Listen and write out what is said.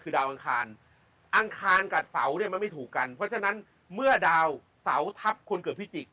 คือดาวอังคารอังคารกับเสาเนี่ยมันไม่ถูกกันเพราะฉะนั้นเมื่อดาวเสาทัพคนเกิดพิจิกษ